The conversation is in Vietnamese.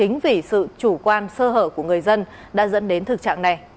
chính vì sự chủ quan sơ hở của người dân đã dẫn đến thực trạng này